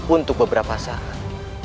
untuk beberapa saat